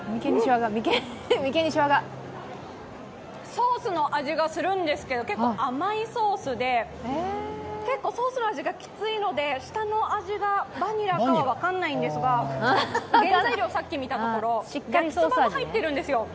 ソースの味がするんですけど、結構甘いソースで結構ソースの味がきついので下の味がバニラかは分からないんですが原材料さっき見たところ、焼きそばも入っているんですよ。